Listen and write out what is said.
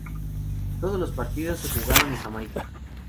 Todos los partidos se jugaron en Jamaica.